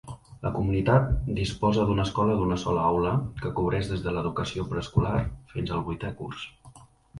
La comunitat disposa d'una escola d'una sola aula que cobreix des de l'educació preescolar fins al vuitè curs.